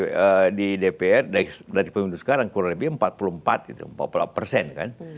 pendukunya di dpr dari pemimpin sekarang kurang lebih empat puluh empat persen